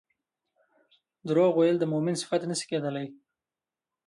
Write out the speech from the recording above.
دروغ ويل د مؤمن صفت نه شي کيدلی